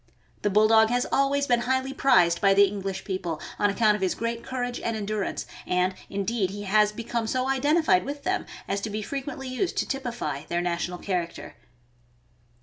The Bulldog has always been highly prized by the Eng lish people, on account of his great courage and endurance; and, indeed, he has "become so identified with them as to be frequently used to typify their national character."